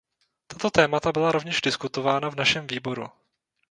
Tato témata byla rovněž diskutována v našem výboru.